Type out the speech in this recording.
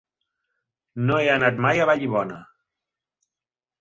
No he anat mai a Vallibona.